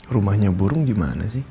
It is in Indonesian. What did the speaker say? rumahnya burung gimana sih